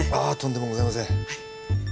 あとんでもございません。